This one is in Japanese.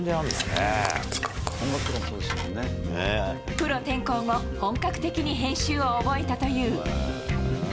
プロ転向後、本格的に編集を覚えたという。